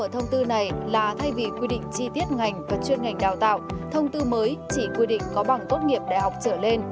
thông tư này là thay vì quy định chi tiết ngành và chuyên ngành đào tạo thông tư mới chỉ quy định có bằng tốt nghiệp đại học trở lên